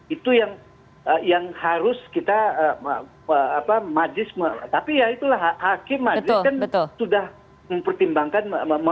itu yang harus kita apa majis tapi ya itulah hakim majis kan sudah mempertimbangkan